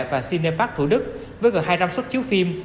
và cine park thủ đức với gần hai trăm linh xuất chiếu phim